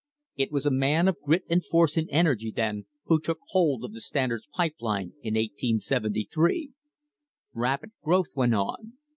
It was a man of grit and force and energy then who took hold of the Standard's pipe line in 1873. Rapid growth went on.